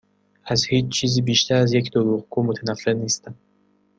از هیچ چیزی بیشتر از یک دروغگو متنفر نیستم.